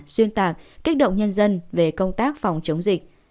xuyên tạc kích động nhân dân về công tác phòng chống dịch